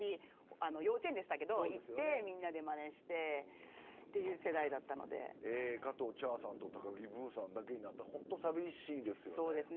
幼稚園でしたけど次の日に行ってみんなでまねをして加藤茶さんと高木ブーさんだけになって本当に寂しいです。